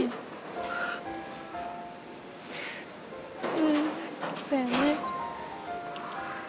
うんそうやね。